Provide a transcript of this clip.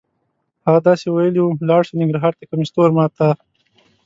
هغه داسې ویلې وه: لاړ شه ننګرهار ته کمیس تور ما ته.